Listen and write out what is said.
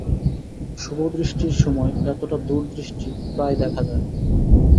শুভদৃষ্টির সময় এতটা দূরদৃষ্টি প্রায় দেখা যায় না।